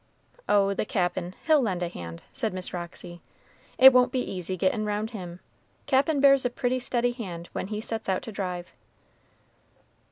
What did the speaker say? "Oh, the Cap'n, he'll lend a hand," said Miss Roxy, "it won't be easy gettin' roun' him; Cap'n bears a pretty steady hand when he sets out to drive."